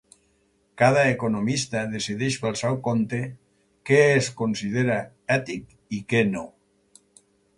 Cada economista decideix pel seu compte què es considera ètic i què no.